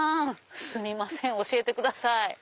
すみません教えてください。